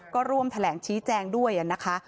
ก็ร่วมแถลงชี้แจงด้วยนะคะ